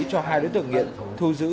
cho hai đối tượng nghiện thu giữ